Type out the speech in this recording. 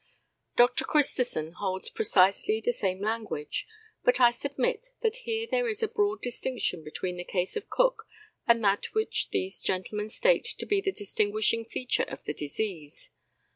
Dr. Christison holds precisely the same language; but I submit that here there is a broad distinction between the case of Cook and that which these gentlemen state to be the distinguishing feature of the disease.